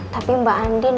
tapi mbak andin